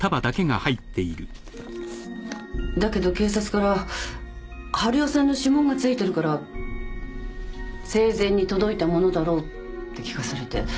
だけど警察から治代さんの指紋が付いてるから生前に届いたものだろうって聞かされて。